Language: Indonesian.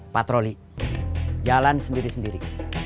patroli jalan sendiri sendiri